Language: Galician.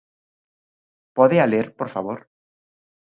¿Pódea ler, por favor?